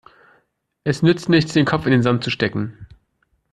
Es nützt nichts, den Kopf in den Sand zu stecken.